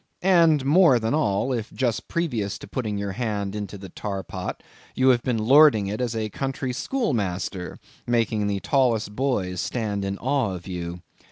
And more than all, if just previous to putting your hand into the tar pot, you have been lording it as a country schoolmaster, making the tallest boys stand in awe of you.